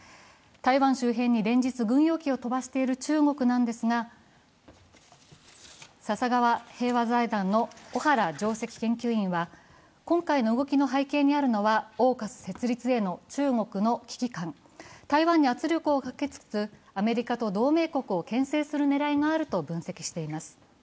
台湾周辺に連日軍用機を飛ばしている中国なんですが、笹川平和財団の小原上席研究員は今回の動きの背景にあるのはＡＵＫＵＳ設立への中国の危機感、台湾に圧力をかけつつ、アメリカと同盟国をけん制する狙いがあると分析しています。